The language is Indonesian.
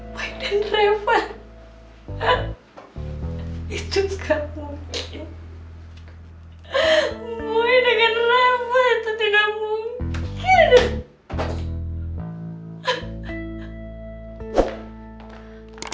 boing dengan reva itu tidak mungkin